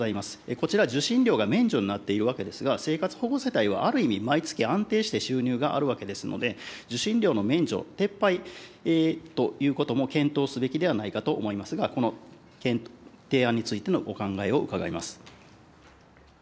こちら、受信料が免除になっているわけですが、生活保護世帯はある意味、毎月安定して収入があるわけですので、受信料の免除撤廃ということも検討すべきではないかと思いますが、この提案についてのお考えを伺います。